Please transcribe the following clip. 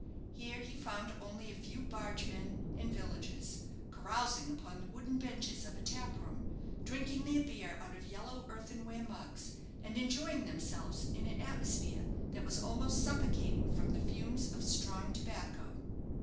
Here he found only a few bargemen and villagers, carousing upon the wooden benches of a tap room, drinking their beer out of yellow earthenware mugs, and enjoying themselves in an atmosphere that was almost suffocating from the fumes of strong tobacco.